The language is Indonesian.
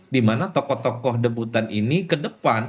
dimana tokoh tokoh debutan ini ke depan